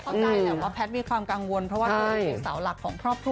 เข้าใจแหละว่าแพทย์มีความกังวลเพราะว่าตัวเองเป็นเสาหลักของครอบครัว